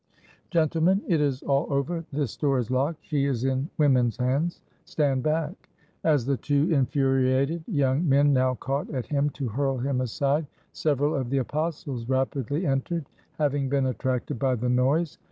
"Gentlemen, it is all over. This door is locked. She is in women's hands. Stand back!" As the two infuriated young men now caught at him to hurl him aside, several of the Apostles rapidly entered, having been attracted by the noise.